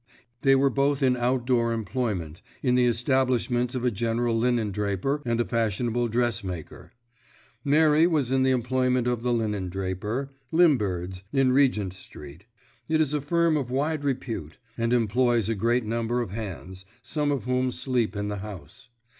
They were both in outdoor employment, in the establishments of a general linendraper and a fashionable dressmaker. Mary was in the employment of the linendraper Limbird's, in Regent Street. It is a firm of wide repute, and employs a great number of hands, some of whom sleep in the house.